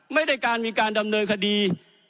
ไม่ได้การมีการดำเนินคดี